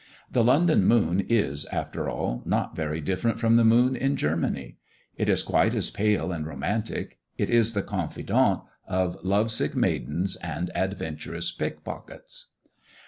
The London moon is, after all, not very different from the moon in Germany. It is quite as pale and romantic; it is the confidant of lovesick maidens and adventurous pickpockets.